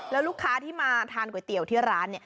แล้วลูกค้าที่มาทานก๋วยเตี๋ยวที่ร้าน